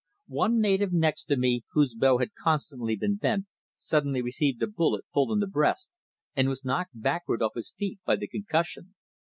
One native next me, whose bow had constantly been bent, suddenly received a bullet full in the breast and was knocked backward off his feet by the concussion.